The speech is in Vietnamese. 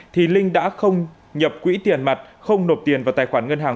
thì linh đã không nhập quỹ tiền mặt không nộp tiền vào tài khoản ngân hàng